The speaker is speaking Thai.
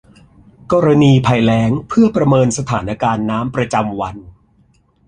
กรณีภัยแล้งเพื่อประเมินสถานการณ์น้ำประจำวัน